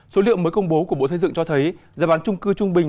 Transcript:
số liệu mới công bố của bộ xây dựng cho thấy giá bán trung cư trung bình